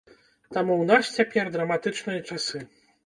Таму ў нас цяпер драматычныя часы.